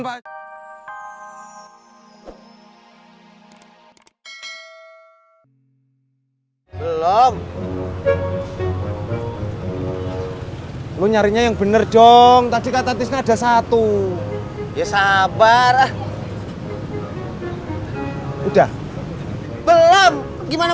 belum lu nyarinya yang bener dong tadi kata tisnya ada satu ya sabar ah udah belum gimana